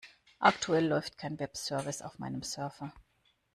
Aktuell läuft kein Webservice auf meinem Server.